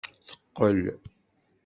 Teqqel.